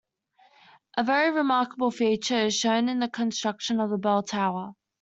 A very remarkable feature is shown in the construction of the bell tower.